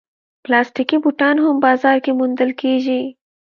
پلاستيکي بوټان هم بازار کې موندل کېږي.